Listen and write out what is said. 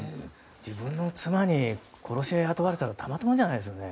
自分の妻に殺し屋を雇われたらたまったものじゃないですよね。